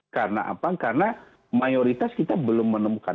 karena apa karena mayoritas kita belum menemukan